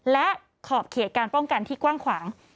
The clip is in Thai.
และขอบเขตการป้องกันที่กว้างขวาง